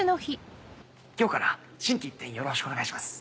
今日から心機一転よろしくお願いします。